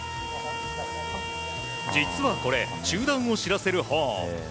実はこれ中断を知らせるホーン。